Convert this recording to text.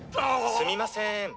すみません。